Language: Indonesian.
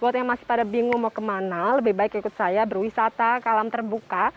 buat yang masih pada bingung mau kemana lebih baik ikut saya berwisata ke alam terbuka